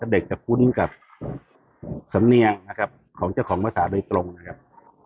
เด็กจะคุ้นกับสำเนียงนะครับของเจ้าของภาษาโดยตรงนะครับ